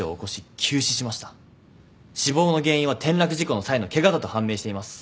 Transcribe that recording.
死亡の原因は転落事故の際のケガだと判明しています。